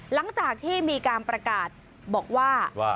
หลังจากที่มีการประกาศบอกว่า